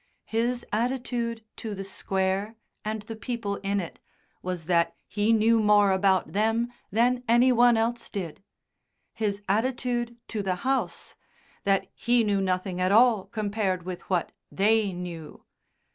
His attitude to the Square and the people in it was that he knew more about them than anyone else did; his attitude to the House, that he knew nothing at all compared with what "They" knew.